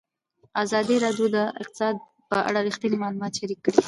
ازادي راډیو د اقتصاد په اړه رښتیني معلومات شریک کړي.